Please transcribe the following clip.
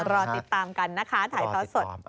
รอติดตามกันนะคะถ่ายทอดสด